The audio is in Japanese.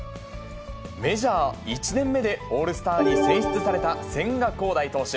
メジャー１年目でオールスターに選出された千賀滉大投手。